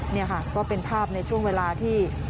นี่ค่ะก็เป็นภาพในช่วงเวลาที่